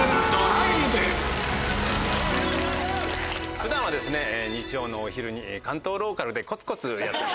普段は日曜のお昼に関東ローカルでコツコツ。